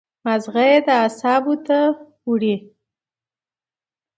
مازغه ئې اعصابو ته وړي